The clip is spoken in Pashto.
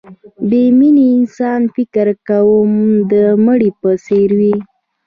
بې مینې انسان فکر کوم د مړي په څېر وي